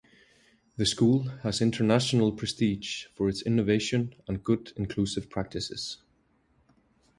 The school has international prestige for its innovation and good inclusive practices.